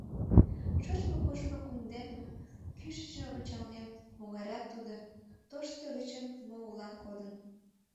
Шочмо-кушмо кундемым кӱшычын ончалнем: могайрак тудо, тошто гычын мо улан кодын...